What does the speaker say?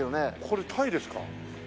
これタイですか。